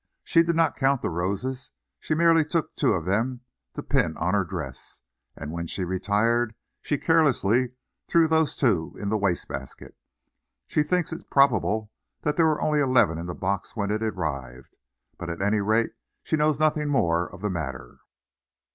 She did not count the roses, she merely took two of them to pin on her dress, and when she retired, she carelessly threw those two in the waste basket. She thinks it probable there were only eleven in the box when it arrived. But at any rate she knows nothing more of the matter."